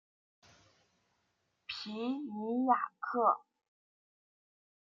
皮尼亚克。